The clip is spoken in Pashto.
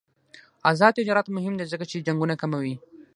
آزاد تجارت مهم دی ځکه چې جنګونه کموي.